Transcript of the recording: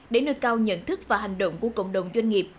để nơi cao nhận thức và hành động của cộng đồng doanh nghiệp